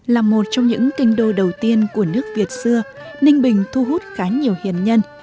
là một trong những kinh đô đầu tiên của nước việt xưa ninh bình thu hút khá nhiều hiền nhân